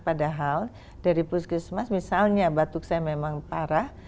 padahal dari puskesmas misalnya batuk saya memang parah